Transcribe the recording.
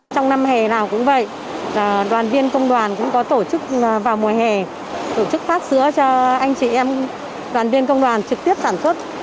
trong năm hè nào cũng vậy đoàn viên công đoàn cũng có tổ chức vào mùa hè tổ chức phát sữa cho anh chị em đoàn viên công đoàn trực tiếp sản xuất